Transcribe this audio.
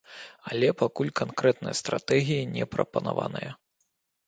Але пакуль канкрэтная стратэгія не прапанаваная.